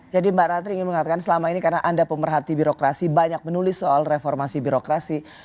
jadi mbak rathri ingin mengatakan selama ini karena anda pemerhati birokrasi banyak menulis soal reformasi birokrasi